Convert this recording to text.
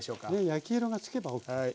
焼き色がつけばＯＫ。